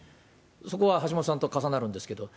そこは橋下さんと重なるんですけれども。